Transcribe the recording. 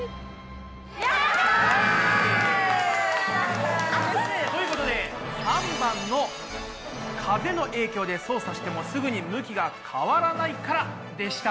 やった！ということで３番の「風の影響で操作してもすぐに向きが変わらないから」でした。